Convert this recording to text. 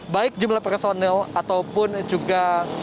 baik jumlah personel ataupun juga